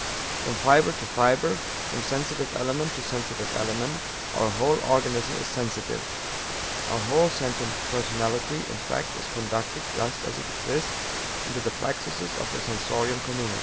From fiber to fiber, from sensitive element to sensitive element, our whole organism is sensitive; our whole sentient personality, in fact, is conducted just as it exists, into the plexuses of the sensorium commune."